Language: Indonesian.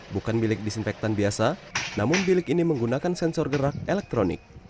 bukan bilik disinfektan biasa namun bilik ini menggunakan sensor gerak elektronik